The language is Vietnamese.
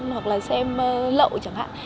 hoặc là xem lậu chẳng hạn